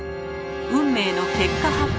運命の結果発表。